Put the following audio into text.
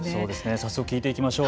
早速聞いていきましょう。